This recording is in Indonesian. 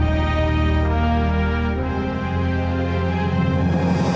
semoga oleh polisi kita